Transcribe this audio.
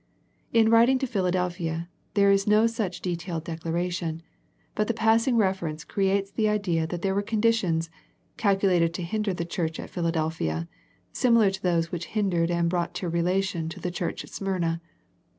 In writ ing to Philadelphia, there is no such detailed declaration, but the passing reference creates the idea that there were conditions, calculated to hinder the church at Philadelphia, similar to those which hindered and brought tribula tion to the church at Smyrna.